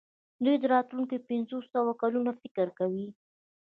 دوی د راتلونکو پنځوسو کلونو فکر کوي.